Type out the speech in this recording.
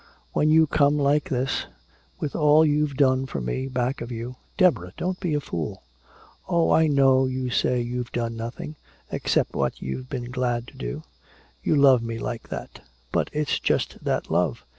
When you come like this with all you've done for me back of you " "Deborah! Don't be a fool!" "Oh, I know you say you've done nothing, except what you've been glad to do! You love me like that! But it's just that love!